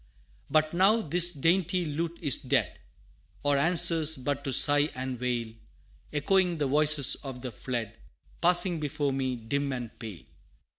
But now, this dainty lute is dead Or answers but to sigh and wail, Echoing the voices of the fled, Passing before me dim and pale!